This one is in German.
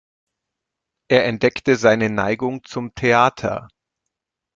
Er entdeckte seine Neigung zum Theater.